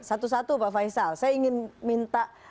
satu satu pak faisal saya ingin minta